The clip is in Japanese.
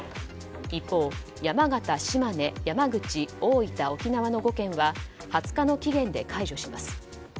一方、山形、島根山口、大分、沖縄の５件は２０日の期限で解除します。